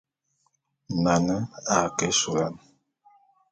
Nane a ke ésulán.